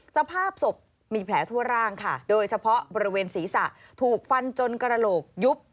สภาพศพมีแผลทั่วร่างค่ะโดยเฉพาะบริเวณศีรษะถูกฟันจนกระโหลกยุบ